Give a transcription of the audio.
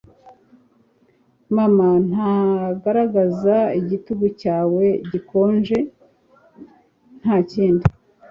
mama ntagaragaza igitugu cyawe gikonje ntakindi